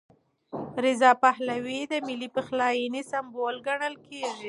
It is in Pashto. رضا پهلوي د ملي پخلاینې سمبول ګڼل کېږي.